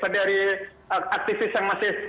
dari aktivis yang masih